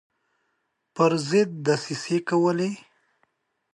پر ضد دسیسې کولې.